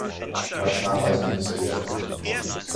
Weil es nachweislich nichts bewirkt.